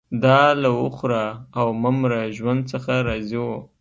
دا له وخوره او مه مره ژوند څخه راضي وو